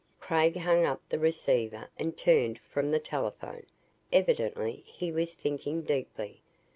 Craig hung up the receiver and turned from the telephone. Evidently he was thinking deeply.